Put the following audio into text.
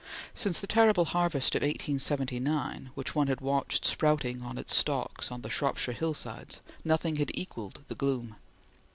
Since the terrible harvest of 1879 which one had watched sprouting on its stalks on the Shropshire hillsides, nothing had equalled the gloom.